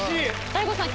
大悟さん